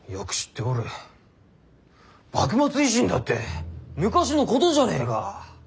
幕末維新だって昔のことじゃねぇか！